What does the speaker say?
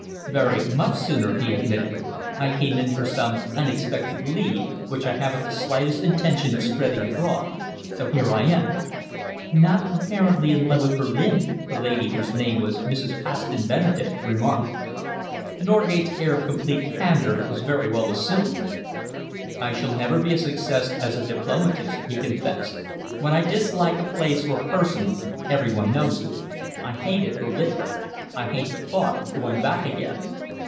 "Very much sooner," he admitted. "I came in for some unexpected leave, which I haven't the slightest intention of spending abroad, so here I am." "Not, apparently, in love with Berlin," the lady, whose name was Mrs. Paston Benedek, remarked. Norgate's air of complete candour was very well assumed. "I shall never be a success as a diplomatist," he confessed. "When I dislike a place or a person, every one knows it. I hated Berlin. I hate the thought of going back again."